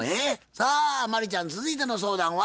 さあ真理ちゃん続いての相談は？